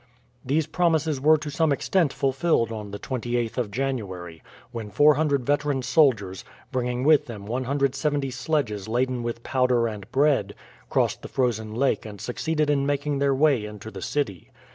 These promises were to some extent fulfilled on the 28th of January, when 400 veteran soldiers, bringing with them 170 sledges laden with powder and bread, crossed the frozen lake and succeeded in making their way into the city.